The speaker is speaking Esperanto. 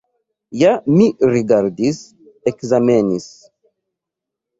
Ja mi rigardis, ekzamenis!